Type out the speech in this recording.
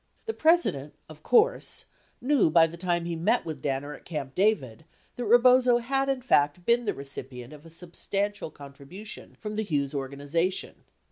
The President, of course, knew by the time he met with Danner at Camp David that Rebozo had in fact been the recipient of a substantial contribution from the Hughes organization.